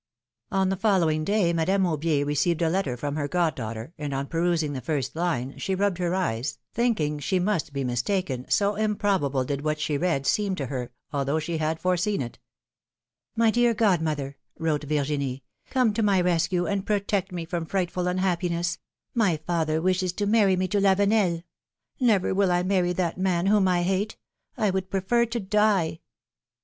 N the following day Madame Aubier received a letter from her goddaughter, and on perusing the first line she rubbed her eyes, thinking she must be mistaken, so improbable did what she read seem to her, although she had foreseen it : My dear godmother/^ wrote Virginie, ^^come to my rescue and protect me from frightful unhappiness: my father wishes to marry me to Lavenel. Never will I marry that man whom I hate. I would prefer to die.